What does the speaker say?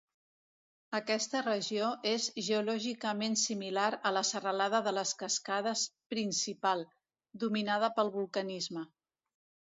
Aquesta regió és geològicament similar a la serralada de les Cascades principal, dominada pel vulcanisme.